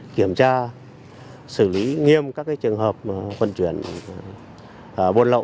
kiểm tra xử lý nghiêm các trường hợp vận chuyển bồn lộ